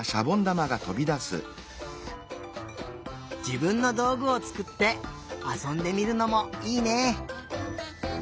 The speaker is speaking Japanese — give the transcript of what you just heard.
じぶんのどうぐをつくってあそんでみるのもいいね！